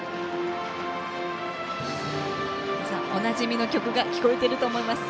おなじみの曲が聞こえていると思います。